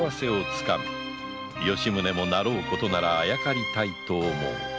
吉宗もなろうことならあやかりたいと思う